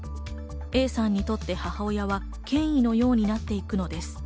Ａさんにとって母親は権威のようになっていくのです。